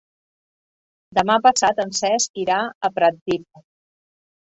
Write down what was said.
Demà passat en Cesc irà a Pratdip.